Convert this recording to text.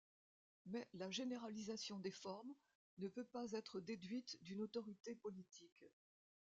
Mais la généralisation des formes ne peut pas être déduite d'une autorité politique.